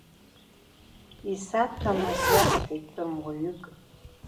Исаҭәамыз иасҳәеит тәымуаҩык.